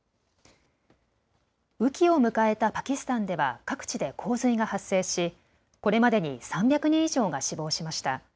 雨季を迎えたパキスタンでは各地で洪水が発生し、これまでに３００人以上が死亡しました。